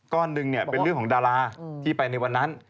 ก้อนนึงเนี่ยเป็นเรื่องของดาราที่ไปในวันนั้น